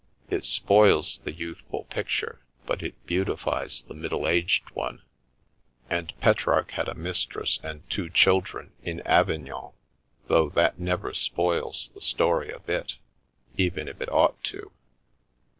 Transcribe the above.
" It spoils the youthful picture, but it beautifies the middle aged one. And Petrarch had a mistress and two chil dren in Avignon, though that never spoils the story a bit, even if it ought to.